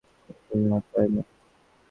কিছু না, তাই না?